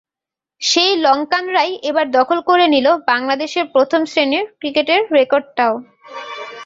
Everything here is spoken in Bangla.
সেই লঙ্কানরাই এবার দখল করে নিল বাংলাদেশের প্রথম শ্রেণীর ক্রিকেটের রেকর্ডটাও।